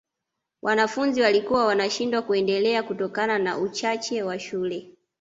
wanafunzi walikuwa wanashindwa kuendelea kutokana na uchache wa shule